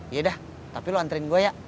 yaudah tapi lo anterin gua ya